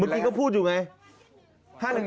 เมื่อกี้เขาพูดอยู่ไง๕๑๑เหรอ